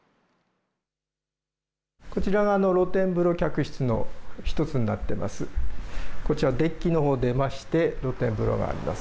こちらが露天風呂客室の１つになっています。